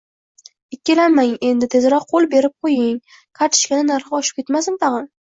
ikkilanmang endi, tezroq qo‘l qo‘yib bering, kartishkani narxi oshib ketmasin tag‘in.